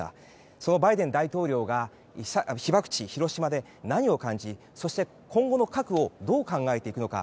そのバイデン大統領が被爆地・広島で何を感じ、そして今後の核をどう考えていくのか。